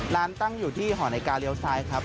ร้านตั้งอยู่ที่หอนไอการเรียลไซด์ครับ